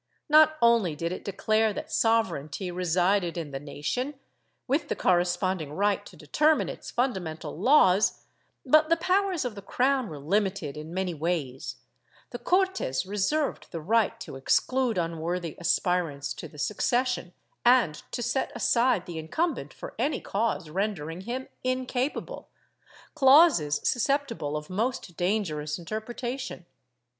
Not only did it declare that sovereignty resided in the nation, with the corre sponding right to determine its fundamental laws, but the powers of the cro^^•n were limited in many ways; the Cortes reserved the right to exclude unworthy aspirants to the succession, and to set aside the incumbent for any cause rendering him incapable — clauses susceptible of most dangerous interpretation.